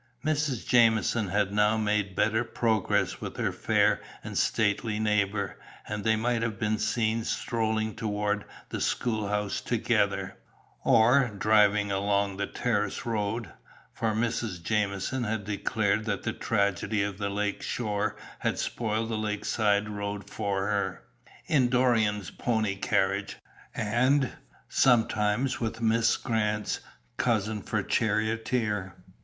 Mrs. Jamieson had now made better progress with her fair and stately neighbour, and they might have been seen strolling toward the school house together, or driving along the terrace road for Mrs. Jamieson had declared that the tragedy of the lake shore had spoiled the lakeside road for her in Doran's pony carriage, and, sometimes with "Miss Grant's cousin" for charioteer.